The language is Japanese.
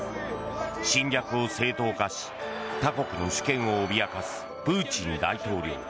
侵略を正当化し他国の主権を脅かすプーチン大統領。